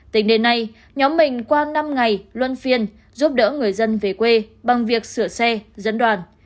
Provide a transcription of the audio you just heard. tính đến nay nhóm mình qua năm ngày luân phiên giúp đỡ người dân về quê bằng việc sửa xe dẫn đoàn